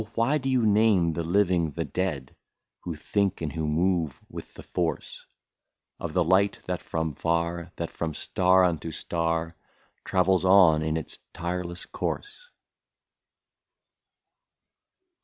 why do you name the living the dead, — Who think and who move with the force Of the light, that from far, that from star unto star. Travels on in its tireless course